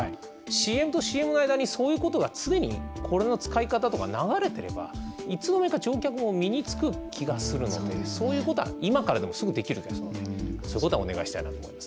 ＣＭとＣＭの間にそういうことが常にこれの使い方とか流れてればいつの間にか乗客も身につく気がするのでそういうことは今からでもすぐできるので、そういうことはお願いしたいなと思います。